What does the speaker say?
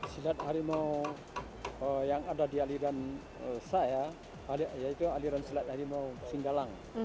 silat harimau yang ada di aliran saya yaitu aliran silat harimau singgalang